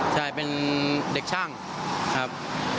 ใช่เป็นเด็กช่างครับ